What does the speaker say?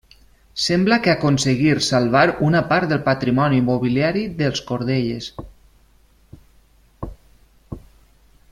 Sembla que aconseguir salvar una part del patrimoni mobiliari dels Cordelles.